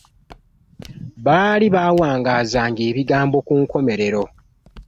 Baali baawangaazanga ebigambo ku nkomerero.